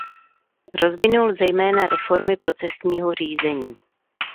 Rozvinul zejména reformy procesního řízení.